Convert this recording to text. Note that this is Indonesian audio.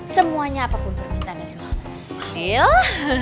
semuanya apapun permintaan dari allah